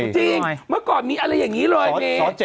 จริงเมื่อก่อนมีอะไรอย่างนี้เลยเม